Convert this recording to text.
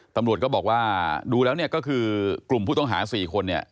ตำรวจก็บอกว่าดูแล้วเนี่ยก็คือกลุ่มผู้ต้องหา๔คนเนี่ย